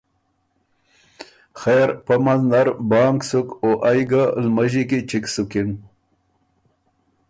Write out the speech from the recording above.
خېر پۀ منځ نر بانګ سُک او ائ ګه لمݫی کی چِګ سُکِن۔